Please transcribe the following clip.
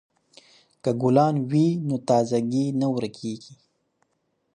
که ګلان وي نو تازه ګي نه ورکیږي.